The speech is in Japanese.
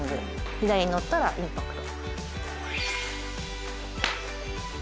左に乗ったらインパクト。